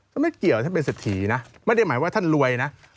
ไม่เกี่ยวท่านเป็นเศรษฐีนะไม่ได้หมายว่าท่านรวยนะ